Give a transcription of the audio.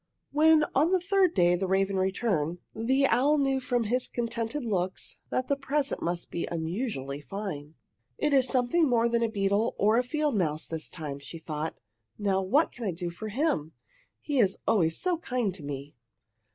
When, on the third day, the raven returned, the owl knew from his contented looks that the present must be unusually fine. "It is something more than a beetle or a field mouse this time," she thought. "Now what can I do for him? He is always so kind to me!"